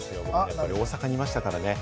大阪にいましたからね。